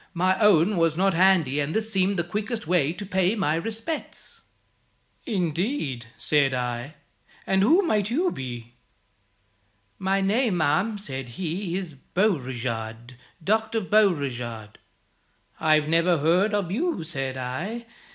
My own was not handy, and this seemed the quickest way to pay my respects.' 'Indeed?' said I, 'and who may you be?' 'My name, ma'am,' said he, 'is Beauregard Dr. Beauregard.' 'I never heard of you,' said I.